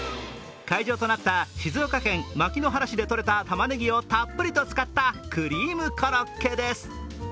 会場となった静岡県牧之原市で取れたたまねぎをたっぷりと使ったクリームコロッケです。